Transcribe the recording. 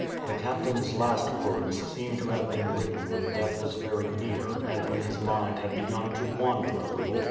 The Captain'*s last words seem to have been written when death was very near, and when his mind had begun to wander a little.